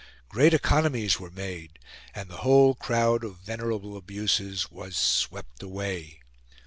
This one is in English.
Great economies were made, and the whole crowd of venerable abuses was swept away.